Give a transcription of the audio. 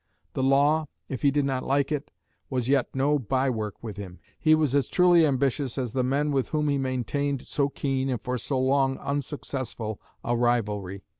The law, if he did not like it, was yet no by work with him; he was as truly ambitious as the men with whom he maintained so keen and for long so unsuccessful a rivalry.